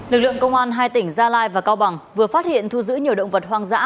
lực lượng công an hai tỉnh gia lai và cao bằng vừa phát hiện thu giữ nhiều động vật hoang dã